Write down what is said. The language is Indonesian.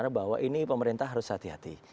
karena bahwa ini pemerintah harus hati hati